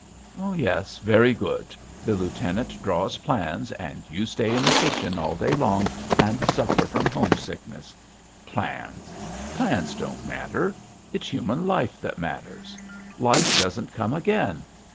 "Yes. Very good! The lieutenant draws plans, and you stay in the kitchen all day long and suffer from homesickness.... Plans.... Plans don't matter. It's human life that matters! Life doesn't come again.